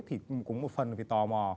thì cũng một phần là vì tò mò